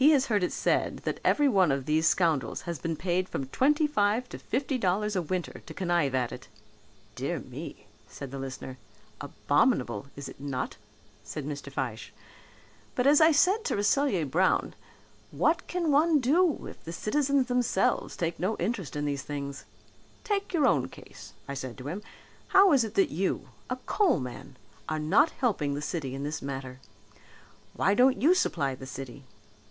He has heard it said that everyone of these scoundrels has been paid from twenty five to fifty dollars a winter to connive at it." "Dear me," said the listener. "Abominable, is it not?" said Mr. Fyshe. "But as I said to Rasselyer Brown, what can one do if the citizens themselves take no interest in these things. 'Take your own case,' I said to him, 'how is it that you, a coal man, are not helping the city in this matter? Why don't you supply the city?'